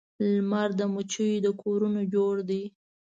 لمر د مچېو د کورونو جوړ دی